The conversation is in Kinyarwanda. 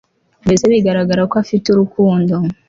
mbese bigararaga ko afite urukundo